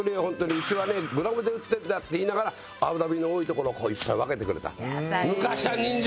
「うちはねグラムで売ってんだ」って言いながら脂身の多い所いっぱい分けてくれた。